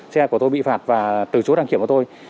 xe của tôi bị phạt và từ chối đăng kiểm của tôi